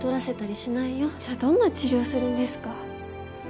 じゃあどんな治療するんですか？